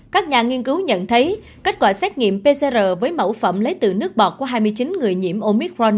các nhà nghiên cứu nhận thấy kết quả xét nghiệm pcr với mẫu phẩm lấy từ nước bọt của hai mươi chín người nhiễm omicron